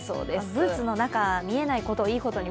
ブーツの中、見えないことをいいことに